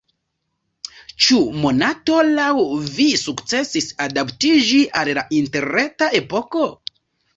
Ĉu Monato laŭ vi sukcesis adaptiĝi al la interreta epoko?